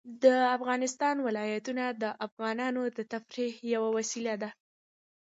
د افغانستان ولايتونه د افغانانو د تفریح یوه وسیله ده.